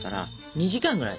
２時間ぐらい。